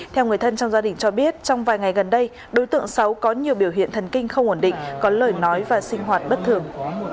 theo người thân trong gia đình cho biết trong vài ngày gần đây đối tượng sáu có nhiều biểu hiện thần kinh không ổn định có lời nói và sinh hoạt bất thường